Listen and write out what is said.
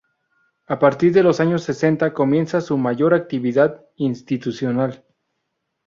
A partir de los años sesenta comienza su mayor actividad institucional.